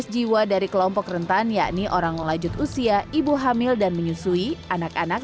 lima belas jiwa dari kelompok rentan yakni orang lanjut usia ibu hamil dan menyusui anak anak